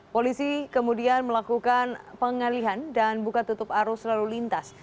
polisi kemudian melakukan pengalihan dan buka tutup arus lalu lintas